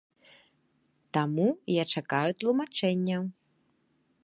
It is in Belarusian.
Таму я чакаю тлумачэнняў.